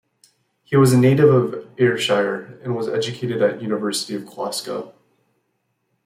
He was a native of Ayrshire and was educated at the University of Glasgow.